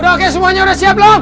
udah oke semuanya udah siap lho